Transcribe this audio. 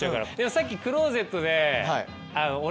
さっきクローゼットで。